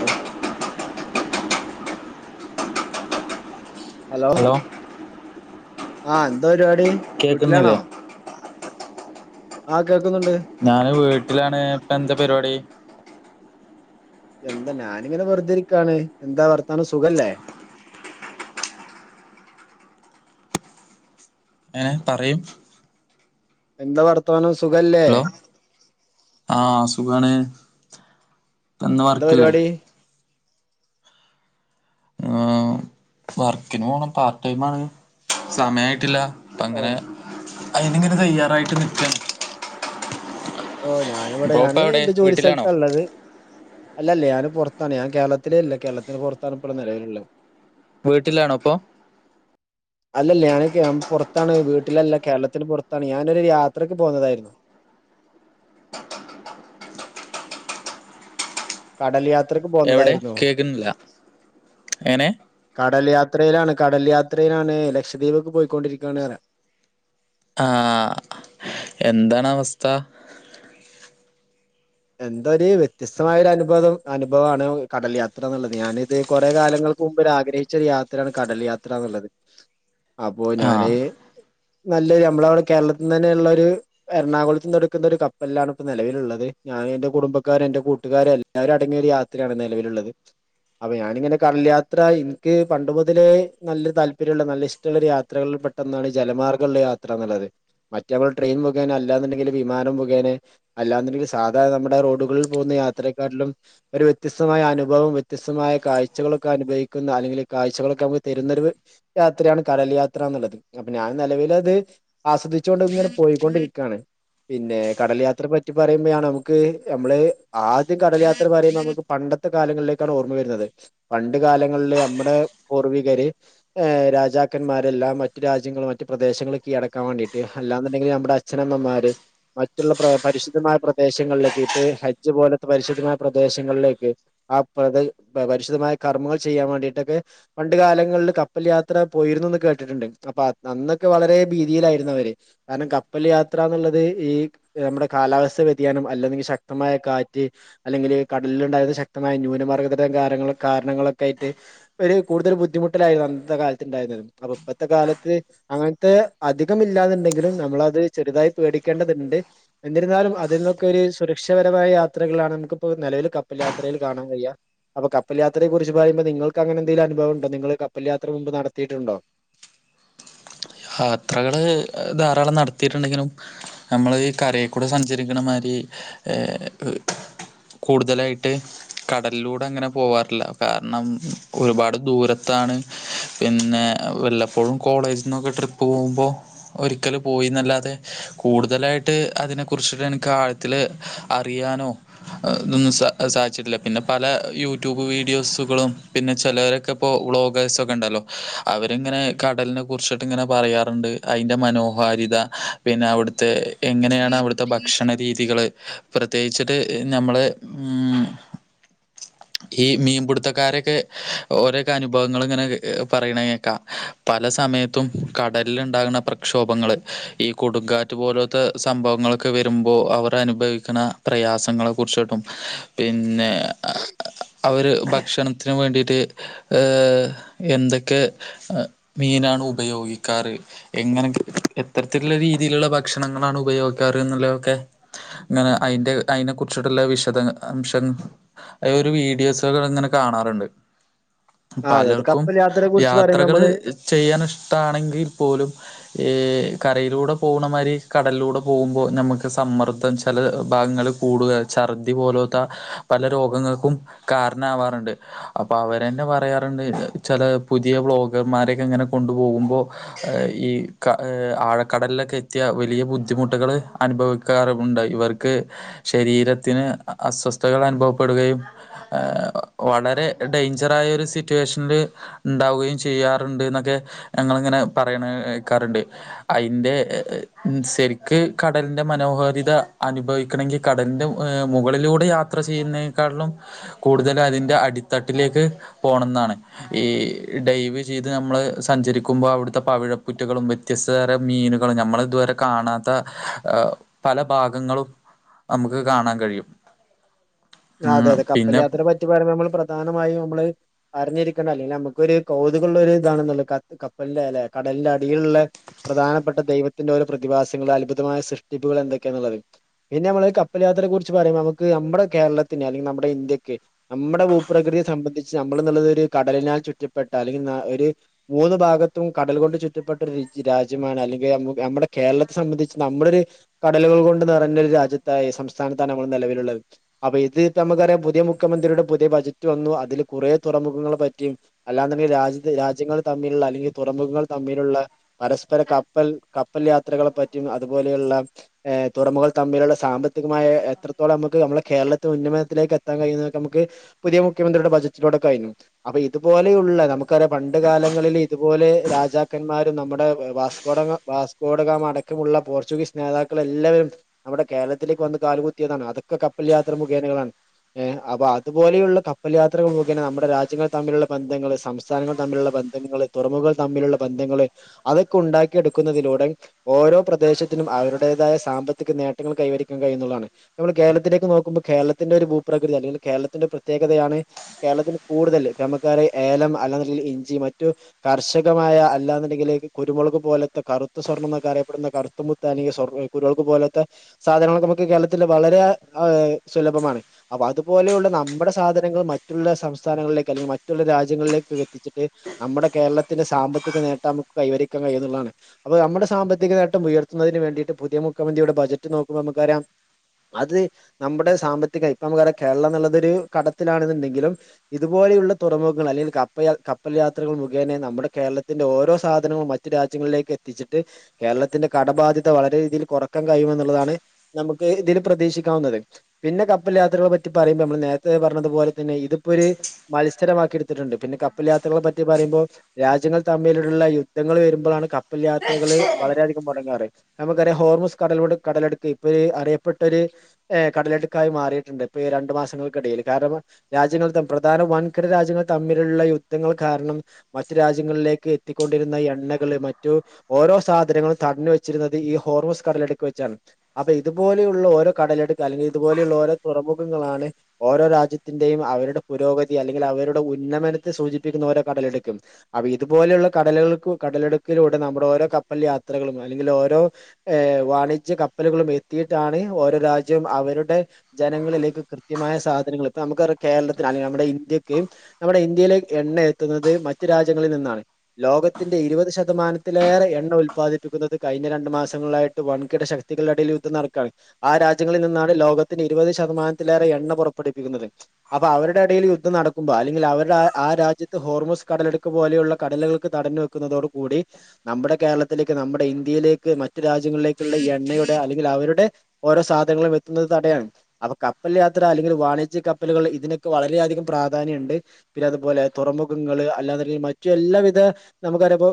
Hello hello ആഹ് എന്ത പരിപാടി വീട്ടിലാണോ കേൾക്ക്ന്നില്ലേ ആഹ് കേൾക്കുന്നുണ്ട് ഞാന് വീട്ടിലാണ് ഇപ്പന്താ പരിപാടി എന്താ ഞാനിങ്ങനെ വെറുതിരിക്കാണ് എന്താ വർത്താനം സുഖല്ലേ ഏഹ് പറയും എന്താ വർത്താനം സുഖല്ലേ ആഹ് സുഖാണ് ഇന്ന് എന്താ വർക്കില്ലേ പരിപാടി ആഹ് വർക്കിന് പോണം പാർടൈമാണ് സമയായിട്ടില്ല അപ്പങ്ങനെ ആഹ് അയിനിങ്ങനെ തയ്യാറായിട്ട് നിൽക്കാണ് ഓഹ് ഞാനിവിടെ ബ്രോ ഇപ്പ ഞാന് എവിടെ ന്റെ ജോലി വീട്ടിലാണോ സ്ഥലത്താള്ളത് അല്ല ല്ല ഞാന് പൊറത്താണ് ഞാൻ കേരളത്തിലേ അല്ല കേരളത്തിന് പൊറത്താണ് ഇപ്പൊ നെലവില്ള്ളത് വീട്ടിലാണോപ്പൊ അല്ലല്ല ഞാൻ പൊറത്താണ് വീട്ടിലല്ല കേരളത്തിന് പൊറത്താണ് ഞാനൊരു യാത്രക്ക് പോന്നതായിരുന്നു കടല് യാത്രക്ക് എവിടെ പോന്നതായിരുന്നു കേക്കുന്നില്ല എങ്ങനെ കടൽ യാത്രയിലാണ് കടൽ യാത്രയിലാണ് ലക്ഷദ്വീബ്ക്ക് പോയിക്കൊണ്ടിരിക്കാണ്പറയാം ആഹ് എന്താണവസ്ഥ? എന്തോഒരു വ്യത്യസ്തമായ ഒരു അനുഭവം അനുഭവാണ് കടൽ യാത്രന്നുള്ളത് ഞാനിത് കുറേ കാലങ്ങ- ൾക്കുമുമ്പ് ആഗ്രഹിച്ച ഒരു യാത്രയാണ് കടൽ യാത്ര ന്നുള്ളത് [unintelligible] അപ്പോ ആ ഞാനേ നല്ലൊരു നമ്മളവിടെ കേരളത്തിന്ന ന്നെ ഉള്ള ഒരു എറണാകുളത്തിന്ന് എടുക്കുന്ന ഒരു കപ്പലിലാണ് ഇപ്പ നിലവിലുള്ളത് ഞാനും എന്റെ കുടുംമ്പക്കാരും എന്റെ കൂട്ടുകാരും എല്ലാവരും അടങ്ങിയ ഒരു യാത്രയാണ് നെലവിലുള്ളത് അപ്പൊ ഞാനിങ്ങനെ കടൽ യാത്ര എനിക്ക് പണ്ട് മുതലേ നല്ല താല്പര്യമുള്ള നല്ല ഇഷ് ട്ടമുള്ളൊരു യാത്രകളിൽ പെട്ടൊന്നാണ് ജലമാർഗമുള്ള യാത്രന്നുള്ളത് മറ്റേ നമ്മൾ ട്രെയിൻ മുഖേന അല്ലാന്ന്ണ്ടെങ്കില് വിമാനം മുഖേന അല്ലാന്ന്ണ്ടെങ്കില് സാധാ നമ്മുടെ റോഡുകളിൽ പോകുന്ന യാത്രേക്കാട്ടിലും ഒരു വ്യത്യസ്തമായ അനുഭവം വ്യത്യസ്തമായ കാഴ്ചകളൊക്കെ അനുഭവിക്കുന്ന അല്ലെങ്കില് കാഴ്ചകളൊക്കെ നമുക്ക് തെരുന്നൊരു യാത്രയാണ് കടൽ യാത്രാന്നുള്ളത് അപ്പൊ ഞാൻ നെലവിലത് ആസ്വദിച്ചോണ്ടിങ്ങനെ പോയിക്കൊണ്ടിരിക്കയാണ് പിന്നെ കടൽ യാത്രയെ പറ്റി പറയാ ണ് നമുക്ക് നമ്മള് ആദ്യകടൽ യാത്രേന്ന് പറയുമ്പൊ നമുക്ക് പണ്ടത്തെ കാലങ്ങളിലേക്കാണ് ഓർമ്മ വെരുന്നത് പണ്ട് കാലങ്ങളില് അമ്മുടെ പൂർവികര് രാജാക്കന്മാരെല്ലാം മറ്റു രാജ്യങ്ങള് മറ്റു പ്രദേശങ്ങള് കീഴടക്കാൻ വേണ്ടീട്ട് അല്ലാന്നുണ്ടെങ്കില് നമ്മുടെ അച്ഛനമ്മമാര് മറ്റുള്ള പരിശുദ്ധമായ പ്ര ദേശങ്ങളിലേക്ക് ഇപ്പേ ഹജ്ജ് പോലത്തെ പരിശുദ്ധമായ പ്രദേശങ്ങളിലേക്ക് ആഹ് പ്രദേ പരിശുദ്ധമായ കർമ്മങ്ങൾ ചെയ്യാൻ വേണ്ടീ ട്ടൊക്കെ പണ്ട് കാലങ്ങളില് കപ്പൽ യാത്ര പോയിരുന്നൂന്ന് കേട്ടിട്ടുണ്ട് അപ്പൊ അന്നൊക്കെ വളരെ ഭീതിയിലായിരുന്നു അവര് കാരണം കപ്പൽ യാത്രാന്നുള്ളത് ഈ നമ്മുടെ കാലാവസ്ഥ വ്യ തിയാനം അല്ലെങ്കിൽ ശക്തമായ കാറ്റ് അല്ലെങ്കില് കടലിൽ ഉണ്ടാകുന്ന ശക്തമായ ന്യൂനമർഗദ [unintelligible] കാരണങ്ങളൊക്കെ ആയിട്ട് ഒര് കൂടുതൽ ബുദ്ധിമുട്ടലായിരുന്നു അന്നത്തെ കാലത്ത്ണ്ടായത് അപ്പൊ ഇപ്പത്തെ കാലത്ത് അങ്ങനത്തെ അധികംഇല്ലാന്നു ണ്ടെങ്കിലും നമ്മളത് ചെറുതായി പേടിക്കേണ്ടത്ണ്ട് എന്നിരുന്നാലും അതിൽന്നും നമുക്കൊരു സുരക്ഷാപരമായ യാത്രകളാണ് നമുക്കിപ്പോ നെലവില് കപ്പൽ യാത്രേല് കാണാൻ കഴിയ്യാ അപ്പൊ കപ്പൽയാത്രയെ കുറിച്ച് പറയുമ്പോ നിങ്ങൾക്കങ്ങനെ എന്തേലും അനുഭവംണ്ടോ നിങ്ങൾ കപ്പൽയാത്ര മുമ്പ് നടത്തീട്ടുണ്ടോ? യാത്രകള് ധാരാളം നടത്തീ ട്ടുണ്ടെങ്കിലും നമ്മള് കരേക്കൂടെ സഞ്ചരിക്കണമാതിരി ഏഹ് കൂടുതലായിട്ട് കടലിലൂടെ അങ്ങനെ പോവാറില്ല കാരണം ഒരുപാട് ദൂരത്താണ് പിന്നെ വല്ലപ്പോഴും കോളേജ്ന്നൊക്കെ ട്ട്രിപ്പ് പോകുമ്പൊ ഒരിക്കല് പോയീന്നല്ലാതെ കൂടുതലായിട്ട് അതിനെ കുറിച്ചിട്ട് എനിക്ക് ആഴ ത്തില് അറിയാനൊ ഇതൊന്നും സാധിച്ചിട്ടില്ല പിന്നെ പല യൂട്യൂബ് വീഡിയോസുകളും പിന്നെ ചെലവരൊക്കെ ഇപ്പോ വ്ളോഗേഴ്സ് ഒക്കെണ്ടല്ലൊ അവരിങ്ങനെ കടലിനെ കുറിച്ചിട്ടിങ്ങനെ പറയാറുണ്ട് അതിന്റെ മനോഹാരിത പിന്നെ അവിടുത്തെ എങ്ങനെയാണ് അവിടുത്തെ ഭക്ഷണ രീതികള് പ്രത്യേകിച്ചിട്ട് ഞമ്മള് ഉം ഈ മീൻപിടുത്തക്കാരെക്കെ ഓരൊക്കെ അനുഭവങ്ങള്ങ്ങനെ കെ പറയ്ണെ കേക്കാ പല സമയത്തും കടലില്ണ്ടാക്ണ പ്രക്ഷോഭങ്ങള് ഈ കൊടുങ്കാറ്റ് പോലോത്ത സംഭവങ്ങള് ക്കെ വെരുമ്പോ അവറനുഭവിക്ക്ണ പ്രയാസങ്ങളെ കുർച്ചിട്ടും പിന്നെ അ അ അവര് ഭക്ഷണത്തിന് വേണ്ടീട്ട് ഏഹ് എന്തൊക്കെ എ മീനാണ് ഉപയോഗിക്കാറ് എങ്ങനെക്കെ എത്തരത്തില്ള്ള രീതിയില്ള്ള ഭക്ഷണങ്ങളാണു ഉപയോഗിക്കാറ് ന്ന്ള്ളെ ഒക്കെ ങ്ങനെ അയിന്റെ അയിനെ കുറിച്ചിട്ട്ള്ളെ വിശദങ്ങ അംശം അയ് ഒരു വീഡിയോസൊക്കെ ഇങ്ങനെ കാണാറ്ണ്ട് ആ അതെ അതെ പലർക്കും കപ്പൽ യാത്രയെ കുറിച്ച് പറയുമ്പോൾ നമ്മള് യാത്രകള് ചെയ്യാനിഷ്ടാണെങ്കി പോലും ഈ കരയിലൂടെ പോണമാരി കടൽലൂടെ പോവുമ്പോ ഞമ്മക്ക് സമ്മർദ്ദ ചെല ഭാഗങ്ങള് കൂടുക, ഛർദി പോലോത്ത പല രോഗങ്ങൾക്കും കാരണാവാറുണ്ട്. അപ്പൊ അവരെന്നെ പറയാറ്ണ്ട് ചെല പുതിയ വ്ലോഗർമാരെക്കെങ്ങനെ കൊണ്ടു പോകുമ്പൊ അഹ് ഈ കഹ് ആഴക്കടൽലൊക്കെ എത്തിയ വലിയ ബുദ്ധിമുട്ടുകള് അനുഭവി ക്കെ അറിവുണ്ടായി ഇവർക്ക് ശരീരത്തിന് അ അസ്വസ്ഥകൾ അനുഭവപ്പെടുകയും വളരെ ഡെയ്ഞ്ചറായ ഒരു സിറ്റുവേഷൻല് ണ്ടാവുകയും ചെയ്യാറുണ്ട്ന്നൊക്കെ ഞങ്ങള്ങ്ങനെ പറയണേ ഏക്കാറ്ണ്ട്. അയിന്റെ ഉം ശെരിക്ക് കടൽന്റെ മനോഹാരിത അനുഭവിക്കണെങ്കി കടലിന്റെ ഏഹ് മുകളിലൂടെ യാത്ര ചെയ്യുന്നേക്കാളിലും കൂടുതലും അതിന്റെ അടിത്തട്ടിലേക്ക് പോണംന്നാണ്. ഈ ഡൈവ് ചെയ്ത് നമ്മള് സഞ്ചരിക്കുമ്പൊ അവിടുത്തെ പവിഴപ്പുറ്റുകളും വ്യത്യസ്ത തരം മീനുകളും ഞമ്മള് ഇതുവരെ കാണാത്ത പല ഭാഗങ്ങളും നമുക്ക് കാണാൻ കഴിയും. അതെ യതെ കപ്പൽ പിന്നെ യാത്ര പറ്റി പറയുമ്പൊ നമ്മള് പ്രധാനമായും നമ്മള് അറിഞ്ഞിരിക്ക്ണാല്ലത്. ല്ലെ അമ്മക്കൊരു കൗതുക ള്ളൊര് താണെന്നുള്ള കത്ത് കപ്പൽ ൻ്റേലെ കടൽന്റെ അടിയിൽള്ളെ പ്രധാനപ്പെട്ട ദൈവത്തിന്റെ ഓരോ പ്രതിഭാസങ്ങളും അത്ഭുതമായ സൃഷ്ടിപ്പുകളും എന്തൊക്കെയെന്നുള്ളത് പിന്നെ ഞമ്മള് കപ്പൽ യാത്രയെ കുറിച്ച് പറയുമ്പോ നമുക്ക് നമ്മടെ കേരളത്തിന് അല്ലെങ്കി നമ്മുടെ ഇന്ത്യക്ക് നമ്മുടെ ഭൂപ്രകൃതിയെ സംബന്ധിച്ച് നമ്മള്ന്ന്ള്ളത് ഒരു കടലിനാൽ ചുറ്റപ്പെട്ട അല്ലെങ്കിൽ നാ ഒര് മൂന്ന് ഭാഗത്തും കടൽ കൊണ്ട് ചുറ്റപ്പെട്ട ഒരു രാജ്യമാണ് അല്ലെങ്കിൽ നമ്മുടെ കേരളത്തെ സംബന്ധിച്ച് നമ്മളൊര് കടലുകൾ കൊണ്ട് നിറഞ്ഞൊരു രാജ്യത്തായി സംസ്ഥാനത്താണ് നമ്മൾ നെലവിലുള്ളത് അപ്പ ഈ തീത്തെ അമ്മക്കറിയാ പുത്യെ മുഖ്യമന്ത്രിയുടെ പുതിയ ബജറ്റ് വന്നു. അതില് കുറെ തുറമുഖങ്ങളെ പറ്റിയും അല്ലാന്ന്ണ്ടെങ്കിൽ രാജ്യത്ത് രാജ്യങ്ങൾ തമ്മിലുള്ള അല്ലെങ്കിൽ തുറമുഖങ്ങൾ തമ്മിലുള്ള പരസ്പര കപ്പൽ കപ്പൽ യാത്രകളെ പറ്റിയും അതുപോലെയുള്ള ഏഹ് തുറമുകൾ തമ്മിലുള്ള സാമ്പത്തികമായ എ എത്രത്തോളം അമ്മക്ക് അമ്മളെ കേരള ത് ഉന്നമനത്തിലേക്ക് എത്താൻ കഴിയുന്ന തൊക്കെ അമുക്ക് പുതിയ മുഖ്യ മന്ത്രിയുടെ ബജറ്റിലൂടെ കഴിഞ്ഞു അപ്പൊ ഇതുപോലെയുള്ള നമുക്കറിയ പണ്ട് കാലങ്ങളില് ഇതുപോലെ രാജാക്കന്മാരും നമ്മുടെ വ വാസ്കോടഗാ വാസ്കോഡഗാമ അടക്കമുള്ള പോർച്ചുഗീസ് നേതാക്കളെല്ലാവരും നമ്മുടെ കേരളത്തിലേക്ക് വന്ന് കാലുകുത്തിയതാണ്. അതൊക്കെ കപ്പൽ യാത്ര മുഖേനകളാണ്. ഏഹ് അപ്പൊ അതുപോലെയുള്ള കപ്പൽ യാത്രകൾ മുഖേന നമ്മുടെ രാജ്യങ്ങൾ തമ്മിലുള്ള ബന്ധങ്ങള് സംസ്ഥാനങ്ങൾ തമ്മിലുള്ള ബ ന്തനങ്ങള് തുറമുഖം തമ്മിലുള്ള ബന്ധങ്ങള് അതൊക്കെ ഉണ്ടാക്കിയെടുക്കുന്നതിലൂടെം ഓരോ പ്രദേശത്തിനും അവരുടേതായ സാമ്പത്തിക നേട്ടങ്ങൾ കൈവരിക്കാൻ കഴിയുന്നുള്ളതാണ് നമ്മൾ കേരളത്തിലേക്ക് നോക്കുമ്പൊ കേരളത്തിന്റെ ഒരു ഭൂപ്രകൃതി അല്ലെങ്കില് കേരളത്തിന്റെ പ്രത്യേകതയാണ് കേരളത്തിന് കൂട്തല് ചമക്കാറി ഏലം അല്ലാന്ന് ണ്ടേല് ഇഞ്ചി മറ്റു കർഷകമായ അല്ലാന്ന്ണ്ടെങ്കില് ക് കുരുമുളക് പോലത്തെ കറുത്ത സ്വർണം ന്നൊക്കെ അറിയപ്പെടുന്ന കറുത്ത മുത്ത് തനീ [unintelligible] കുരുവൾക് പോലത്തെ സാധനങ്ങളൊക്കെ അമുക്ക് കേരളത്തില് വളരെ അഹ് സുലഭമാണ് അപ്പൊ അതുപോലെയുള്ള നമ്മുടെ സാധനങ്ങൾ മറ്റുള്ള സംസ്ഥാനങ്ങളിലേക്ക് അല്ലെങ്കിൽ മറ്റുള്ള രാജ്യങ്ങളിലേക്ക് എത്തിച്ചിട്ട് നമ്മുടെ കേരളത്തിന്റെ സാമ്പത്തിക നേട്ടം നമുക്ക് കൈവരിക്കാൻ കഴിയ എന്നുള്ള താണ് അപ്പൊ നമ്മുടെ സാമ്പത്തിക നേട്ടം ഉയർത്തുന്നതിന് വേണ്ടിട്ട് പുതിയ മുഖ്യന്ത്രിയുടെ ബജറ്റ് നോക്കുമ്പോ നമുക്കറാം. അത് നമ്മുടെ സാമ്പത്തിക അപം വേറെ കേരളം എന്നുള്ളത്രു കടത്തിലാണെന്നുണ്ടെങ്കിലും ഇതുപോലെയുള്ള തുറമുഖൾ അല്ലെങ്കിൽ കപ്പൽ കപ്പൽ യാത്രകൾ മുഖേന നമ്മുടെ കേരളത്തിന്റെ ഓരോ സാധനവും [unintelligible] രാജ്യങ്ങളിലേക്ക് എത്തിച്ചിട്ട്. കേരളത്തിന്റെ കടബാധ്യത വളരെ രീതിയിൽ കുറക്കാൻ കഴിയുമെന്നുള്ളതാണ് നമുക്ക് ഇതിൽ പ്രതീക്ഷിക്കാവുന്നത് പിന്നെ കപ്പൽ യാത്രകളെ പറ്റി പറയുമ്പോൾ നമ്മള് നേരത്തെ പറഞ്ഞതു പോലെ തന്നെ ഇതിപ്പോൊ ഒരു മത്സരമാക്കി [unintelligible] ണ്ട് പിന്നെ കപ്പൽ യാത്രകളെ പറ്റി പറയുമ്പോൾ രാജ്യങ്ങൾ തമ്മില്ള്ള യുദ്ധങ്ങൾ വരുമ്പോഴാണ് പ്പൽ യാത്രകൾ വളരെ [unintelligible] മുടങ്ങാറ് നമുക്ക ഹോർമോസ് കട കടലെടുക്ക ഇപ്പൊ അറിയപ്പെട്ടൊരു. ഏഹ് കടലടുക്കായി മാറിയിട്ടുണ്ട് ഇപ്പ ഈ രണ്ട് മാസങ്ങൾക്കിടയിൽ കാരണം രാജ്യങ്ങൾ പ്രധാന വൻകര രാജ്യങ്ങൾ തമ്മിലുള്ള യുദ്ധങ്ങൾ കാരണം മറ്റു രാജ്യങ്ങളിലേക്ക് എത്തിക്കൊണ്ടിരുന്ന ഈ എണ്ണകള് മറ്റു. ഓരോ സാധനങ്ങളും തടഞ്ഞു വെച്ചിരുന്നത് ഈ ഹോർമോസ് കടലെടുക്ക വെച്ചാണ്. അപ്പൊ ഇതുപോലെയുള്ള ഓരോ കടലെടുക്കുക അല്ലെങ്കിൽ ഇതുപോലെയുള്ള ഓരോ തുറമുഖങ്ങൾ ആണ് ഓരോ രാജ്യത്തിന്റെയും അവരുടെ പുരോഗതി അല്ലെങ്കിൽ അവരുടെ ഉന്നമനത്തെ സൂചിപ്പിക്കുന്ന ഓരോ കടലെടുക്കും. അപ്പൊ ഇതുപോലെയുള്ള കടലുകൾക്ക് കടലെടുക്കിലൂടെ നമ്മുടെ ഓരോ കപ്പൽ യാത്രകളും അല്ലെങ്കിൽ ഓരോ ഏയ് വാണിജ്യ കപ്പലുകളും എത്തിയിട്ടാണ് ഓരോ രാജ്യ അവരുടെ ജനങ്ങളിലേക്ക് കൃത്യമായ സാധനങ്ങൾ ഇപ്പ നമുക്ക് കേരളത്തി അല്ലെങ്ക നമ്മുടെ ഇന്ത്യക്ക് നമ്മുടെ ഇന്ത്യയിലെ എണ്ണ എത്തുന്നത് മറ്റു രാജ്യങ്ങളിൽ നിന്നാണ് ലോകത്തിന്റെ ഇരുപത് ശതമാനത്തിലേറെ എണ്ണ ഉല്പാദിപ്പിക്കുന്നത് കഴിഞ്ഞ രണ്ടു മാസങ്ങളായിട്ട് വൻകിട ശക്തി [unintelligible] നടക്ക ആ രാജ്യ രാജ്യങ്ങളിൽ നിന്നാണ് ലോകത്തിന് ഇരുപത് ശതമാനത്തിലേറെ എണ്ണ പുറപ്പെടുപ്പിക്കുന്നത് അപ്പൊ അവരുടെ ഇടയിൽ യുദ്ധം നടുമ്പോ അല്ലെങ്കിൽ അവരുടെ ആ ആ രാജ്യത്ത് ഹോർമോസ് കടലെടുക്ക് പോലെയുള്ള കടലുകൾക്ക് തടന്ന ന്നതോട് കൂടി നമ്മുടെ കേരളത്തിലേക്ക് നമ്മുടെ ഇന്ത്യയിലേക്ക് മറ്റു രാജ്യങ്ങളിലേക്കുള്ള എണ്ണയുടെ അല്ലെങ്കിൽ അവരുടെ ഓരോ സാധനങ്ങളും എത്തുന്നത് തടയാണ് അപ്പൊ കപ്പൽ യാത്ര അല്ലെങ്കിൽ വാണിജ്യ കപ്പലുകൾ ഇതിനൊക്കെ വളരെയധികം പ്രാധാന്യം ഉണ്ട് പിന്നെ അതുപോലെ തുറമുഖങ്ങള്ൾ അല്ലാ മറ്റു എല്ലാവിധ നമുക്കറിയപ്പോ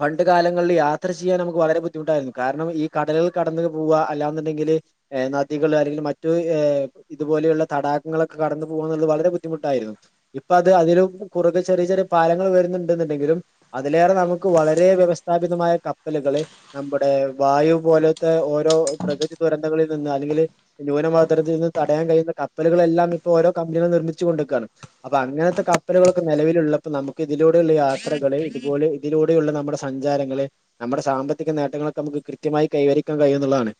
പണ്ട് കാലങ്ങളിൽ യാത്ര ചെയ്യാൻ നമുക്ക് വളരെ ബുദ്ധിമുട്ടായിരുന്നു കാരണം ഈ കടലകിൽ കടന്ന പോവുക അല്ലാെന്നുണ്ടെങ്കില് നദികൾ അല്ലെങ്കിൽ മറ്റു ഏഹ് ഇതുപോലെയുള്ള തടാകങ്ങളൊക്കെ കടന്ന പോക എന്നുള്ള വളരെ ബുദ്ധിമുട്ടായിരുന്നു ഇപ്പൊ അത് അതിും കുറുകെ ചെറിയ ചെറിയ പാലങ്ങൾ വരുന്നുണ്ടെന്നുണ്ടെങ്കിലും അതിലേറെ നമുക്ക് വളരെ വ്യവസ്ഥാപിതമായ കപ്പലുകള് നമ്മുടെ വായു പോലത്തെ ഓരോ പ്രകൃതി ദുരന്തങ്ങളിൽ നിന്ന് അല്ലെങ്കിൽ ന്യൂനമദ്രതൽ നിന്ന് തടയാൻ കഴിയുന്ന കപ്പലുകളെല്ലാം ഇപ്പൊ ഓരോ കമ്പനികളും നിർമ്മിച്ചു കൊണ്ടിക്കുകയാണ് അപ്പൊ അങ്ങനത്തെ കപ്പലുകളൊക്കെ നിലവിലുള്ളപ്പോ നമുക്ക് ഇതിലൂടെയുള്ള യാത്രകള് ഇതുപോലെ ഇതിലൂടെയുള്ള നമ്മുടെ സഞ്ചാരങ്ങള്ൾ നമ്മുടെ സാമ്പത്തിക നേട്ടങ്ങളൊക്കെ നമുക്ക് കൃത്യമായി കൈവരിക്കാൻ കഴിയ എന്നുള്ളതാണ്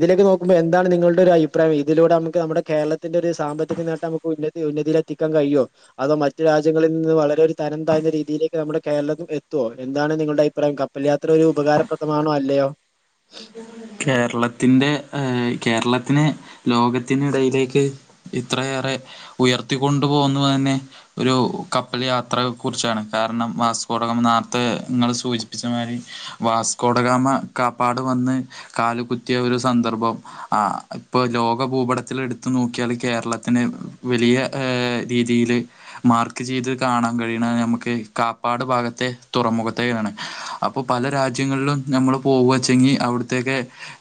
ഇതിലേക്ക് നോക്കുമ്പോൾന്താണ് നിങ്ങളുടെ ഒരു അഭിപ്രായം ഇതിലൂടെ നമുക്ക് നമ്മുടെ കേരളത്തിന്റെറെ ഒരു സാമ്പത്തിക നേട്ടം ഉന്നതി ഉന്നതിൽത്തിക്കാൻ കഴിയോ അതോ മറ്റു രാജ്യങ്ങളിൽ നിന്ന് വളരെരു തനം താന്ന രീതിയിലേക്ക് നമ്മുടെ കേരളത്തി എത്തുമോ എന്താണ് നിങ്ങളുടെ അഭിപ്രായം കപ്പൽയാത്ര ഒരു ഉപകാരപ്രദമാണോ അല്ലയോ കേരളത്തിന്റെ ഏയ് കേരളത്തിന് ലോകത്തിന് ഇടയിലേക്ക് ഇത്രയേറെ ഉയർത്തിക്കൊണ്ട് പോകുന്നു ത് തന്നെ ഒരു കപ്പൽ യാത്രയെ കുറിച്ചാണ് കാരണം വാസ്കോടകം നേർത്തെങ്ങൾ സൂചിപ്പിച്ച മാതിരി വാസ്കോടഗാമ കാപ്പാട് വന്ന് കാല കുത്തിയ ഒരു സന്ദർഭം- ആഹ്ഇപ്പൊ ലോക ഭൂപടത്തിൽ എടുത്തു നോക്കിയാൽ കേരളത്തിന് വലിയ ഏഹ് രീതിയിയില് മാർക്ക് ചെയ്ത് കാണാൻ കഴിയണ ഞമക്ക് കാപ്പാട് ഭാഗത്തെ തുറമുഖത്തേയാണ്. അപ്പോ പല രാജ്യങ്ങളിലും ഞമ്മള് പോവ്വേ ച്ചെങ്ങി അവിടുത്തേക്കെ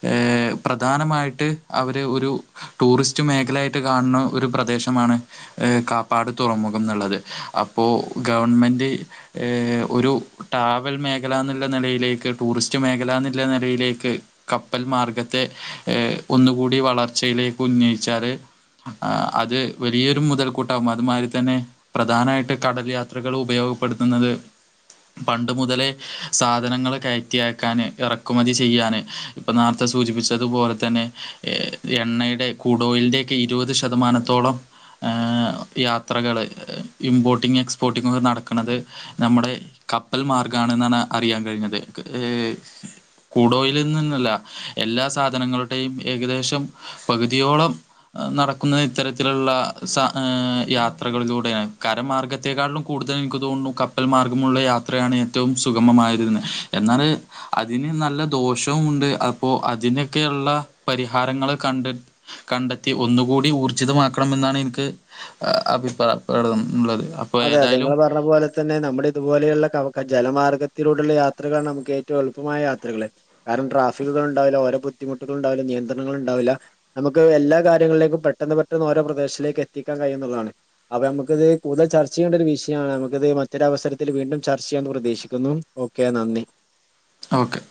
ഏ പ്രധാനമായിട്ട് അവര് ഒരു ടൂറിസ്റ്റ് മേഖലയായിട്ട് കാണുന്ന ഒരു പ്രദേശമാണ് ഏ കാപ്പാട് തുറമുഖം എന്നുള്ളത് അപ്പോ ഗവൺമെന്റ് ഏഹ് ഒരു ടവൽ മേഖല എന്നുള്ള നിലയിലേക്ക് ടൂറിസ്റ്റ് മേഖലന്ന് നെലയിലേക്ക് കപ്പൽ മാർഗത്തെ ഏ ഒന്നുകൂടി വളർച്ചയിലേക്ക് ഉന്നയിച്ചാല് ആഹ് അത് വലിയൊരു മുതൽക്കൂട്ടാകും അതുമാരി തന്നെ പ്രധാനായിട്ട് കടൽ യാത്രകൾ ഉപയോഗപ്പെടുത്തുന്നത് പണ്ട് മുതലേ സാധനങ്ങൾ കയറ്റിയാക്കാന് ഇറ ക്കുമതി ചെയ്യാൻ ഇപ്പം നേരത്തെ സൂചിപ്പിച്ചതുപോലെ തന്നെ എണ്ണയിടെ കൂടോയിലിന്റെ ഒക്കെ ഇരുപത് ശതമാനത്തോളം ഏഹ് യാത്രകള് ഇമ്പോർട്ടിങ്ങ് എക്സ്പോർട്ടിങ്ങൊക്കെ നടക്കണത്. നമ്മടെ കപ്പൽ മാർഗ്ഗണെന്നാണ് അറിയാൻ കഴിഞ്ഞത് ഏഹ് കൂടോയിലന്ന്ന്നല്ല എല്ലാ സാധനങ്ങളുടെയും ഏകദേശം പകുതിയോളം നടക്കുന്ന ഇത്തരത്തിലുള്ള സ ഏഹ് യാത്രകളിലൂടെയാണ് കരംമാർഗ്ഗത്തെേക്കാളിലും കൂടുതൽ എനിക്ക് തോന്നുന്നു കപ്പൽ മാർഗ്ഗമുള്ള യാത്രയാണ് ഏറ്റവും സുഗമമായതെന്ന് എന്നാല് അതിന് നല്ല ദോഷവമുണ്ട് അപ്പോ അതിനൊക്കെയുള്ള പരിഹാരങ്ങള് കണ്ട് കണ്ടെത്തി ഒന്നുകൂടി ഊർജ്ജിതമാക്കണെന്നാണ് എൻക്ക് അഭിപ്രായപ്പെടള്ളത് അപ്പൊ അതെ അതെ ഏതായാലും നിങ്ങൾ പോലെ തന്നെ നമ്മുടെ ഇതുപോലെയുള്ള ക ജലമാർഗത്തിലൂടുള്ള യാത്രകാണ് നമുക്ക് ഏറ്റവും എളുപ്പമായ യാത്രകള് കാരണം ട്രാഫിക്കുകൾണ്ടാവില്ല ഓരോ ബുദ്ധിമുട്ടുകൾണ്ടാവില്ല നിയന്ത്രണൾ ണ്ടാവില്ല നമക്ക് എല്ലാ കാര്യങ്ങളിലേക്കും പെട്ടെന്ന് പെട്ടെന്ന് ഓരോ പ്രദേശിലേക്ക് എത്തിക്കാൻ കഴിയുന്നതാണ്. അപ്പൊ നമുക്കിത് കൂടുതൽ ചർച്ച ചെയ്യണ്ട ഒരു വിഷയാണ് നമുക്ക ഇത് മറ്റൊരവസരത്തിൽ വീണ്ടും ചർച്ച ചെയ്യാന്ന് പ്രതീക്ഷിക്കുന്നു. ഓക്കെ നന്ദി. ഓക്കെ.